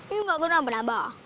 ini gak kenapa nabah